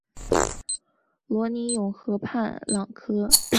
罗尼永河畔朗科。